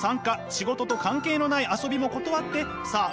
仕事と関係のない遊びも断ってさあ